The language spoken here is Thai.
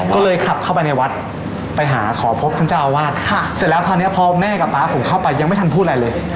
ก็เลยขับเข้าไปในวัดไปหาขอพบท่านเจ้าอาวาสเสร็จแล้วคราวนี้พอแม่กับตาผมเข้าไปยังไม่ทันพูดอะไรเลย